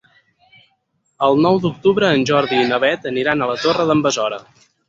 El nou d'octubre en Jordi i na Beth aniran a la Torre d'en Besora.